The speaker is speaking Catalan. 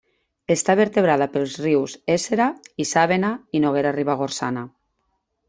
Està vertebrada pels rius Éssera, Isàvena i Noguera Ribagorçana.